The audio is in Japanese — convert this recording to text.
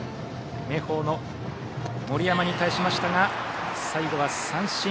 明豊の森山に対しましたが最後は三振。